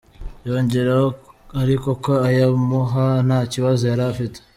Yongeraho ariko ko ayimuha nta kibazo yari ifite.